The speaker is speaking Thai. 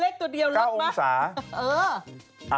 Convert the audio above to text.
เลขตัวเดียวรักมั้ย๙องศา